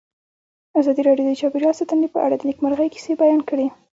ازادي راډیو د چاپیریال ساتنه په اړه د نېکمرغۍ کیسې بیان کړې.